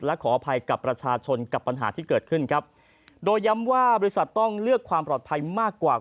และขออภัยกับประชาชนกับปัญหาที่เกิดขึ้นครับโดยย้ำว่าบริษัทต้องเลือกความปลอดภัยมากกว่า